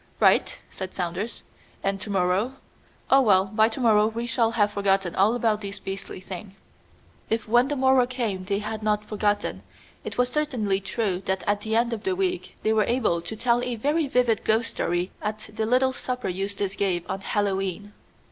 "Right," said Saunders; "and to morrow Oh, well, by to morrow we shall have forgotten all about this beastly thing." If when the morrow came they had not forgotten, it was certainly true that at the end of the week they were able to tell a very vivid ghost story at the little supper Eustace gave on Hallow E'en.